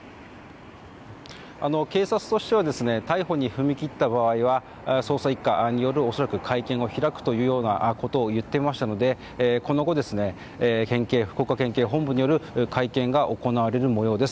警察としては逮捕に踏み切った場合は捜査１課による会見を開くということも言っていましたので、このあと福岡県警本部による会見が行われる模様です。